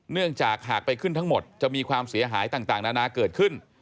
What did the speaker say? เนื่องจากหากไปขึ้นทั้งหมดจะมีความเสียหายต่างนานาเกิดขึ้น